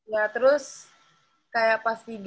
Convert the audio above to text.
ya terus aku udah mulai kerja